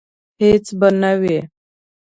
هیڅ به نه وي